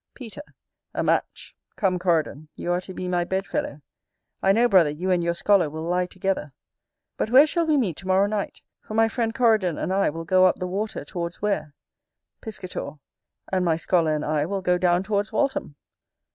Peter. A match. Come, Coridon, you are to be my bed fellow. I know, brother, you and your scholar will lie together. But where shall we meet to morrow night? for my friend Coridon and I will go up the water towards Ware. Piscator. And my scholar and I will go down towards Waltham.